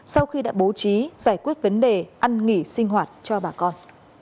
sau khi đã bố trí giải quyết vấn đề ăn nghỉ sinh hoạt cho bà con